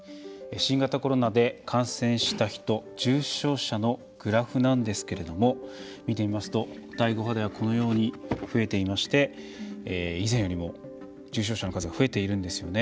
新型コロナで感染した人重症者のグラフなんですけれども見てみますと、第５波ではこのように増えていまして以前よりも重症者の数が増えているんですよね。